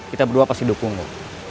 kita berdua pasti dukung loh